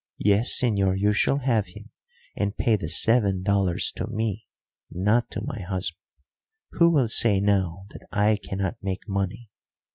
Yes, señor, you shall have him, and pay the seven dollars to me. Not to my husband. Who will say now that I cannot make money?